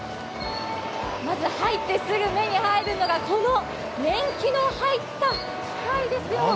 まず入ってすぐ目に入るのが、この年季の入った機械ですよ。